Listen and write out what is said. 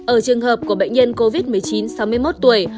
ở trường hợp của bệnh nhân covid một mươi chín sáu mươi một tuổi